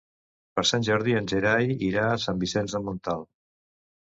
Per Sant Jordi en Gerai irà a Sant Vicenç de Montalt.